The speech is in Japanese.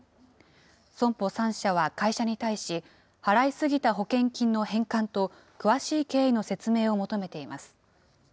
損保３社は会社に対し、払い過ぎた保険金の返還と、詳しい経緯の説明を求めています。